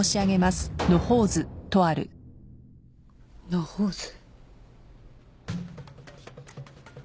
野放図？